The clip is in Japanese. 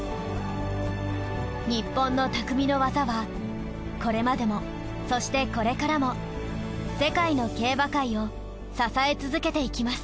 日本の匠の技はこれまでもそしてこれからも世界の競馬界を支え続けていきます。